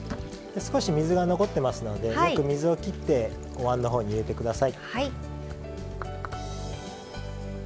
少し水が残っていますのでよく水を切っておわんのほうに入れてください。